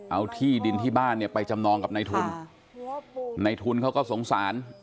เอาที่ดินที่บ้านเนี่ยไปจำนองกับในทุนในทุนเขาก็สงสาร